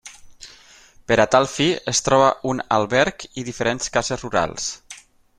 Per a tal fi es troba un alberg i diferents cases rurals.